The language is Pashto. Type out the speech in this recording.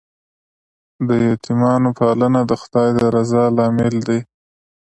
د یتیمانو پالنه د خدای د رضا لامل دی.